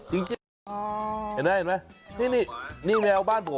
เห็นไหมนี่นี่แมวก่อนบ้านผม